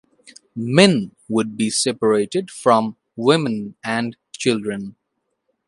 Men would be separated from women and children.